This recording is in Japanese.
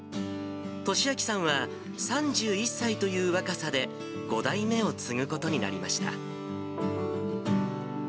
知明さんは３１歳という若さで、５代目を継ぐことになりました。